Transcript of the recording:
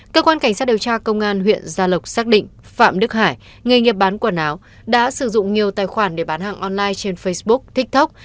cơ quan cảnh sát điều tra công an huyện gia lộc xác định phạm đức hải nghề nghiệp bán quần áo đã sử dụng nhiều tài khoản để bán hàng online trên facebook tiktok